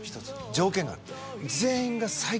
条件がある。